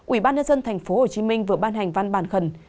ủy ban nhân dân thành phố hồ chí minh vừa ban hành văn bàn khẩn